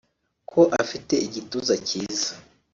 ko afite igituza cyiza